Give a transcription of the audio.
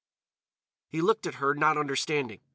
He looked at her, not understanding.